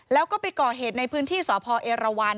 แล้วก็ไปก่อเหตุในพื้นที่สพเอรวรรณ